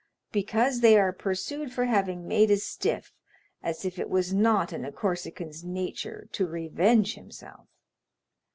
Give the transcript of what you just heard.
"Because they are pursued for having made a stiff, as if it was not in a Corsican's nature to revenge himself."